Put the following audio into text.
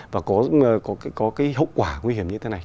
và có cái hậu quả nguy hiểm như thế này